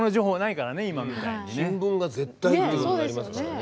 新聞が絶対ってことになりますからね。